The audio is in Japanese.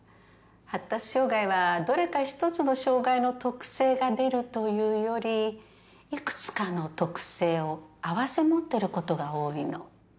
発達障害はどれか一つの障害の特性が出るというより幾つかの特性を併せ持ってることが多いの。